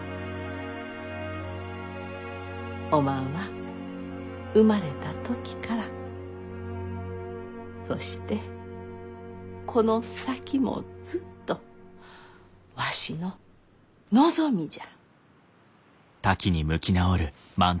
おまんは生まれた時からそしてこの先もずっとわしの希みじゃ。